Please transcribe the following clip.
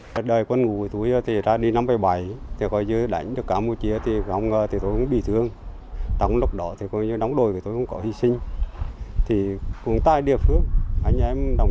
thì cũng tại địa phương anh em đồng chỉ đồng đội cũng tại địa phương